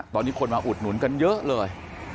ตอนนี้คนมาอุดหนุนกันเยอะเลย